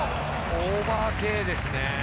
オーバーＫですね。